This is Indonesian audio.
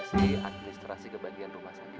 dianjurkan administrasi kebagian rumah sakit